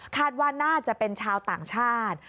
ว่าน่าจะเป็นชาวต่างชาติ